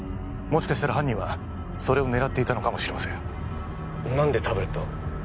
もしかしたら犯人はそれを狙っていたのかもしれません何でタブレットを？